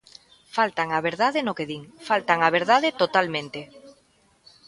Faltan á verdade no que din, faltan á verdade totalmente.